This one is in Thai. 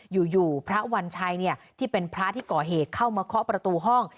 อยู่พระวัญชัยที่เป็นพระที่ก่อเหตุเข้ามาเคาะประตูห้อง